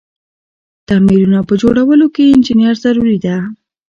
تعميرونه په جوړولو کی انجنیر ضروري ده.